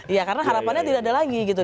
iya karena harapannya tidak ada lagi gitu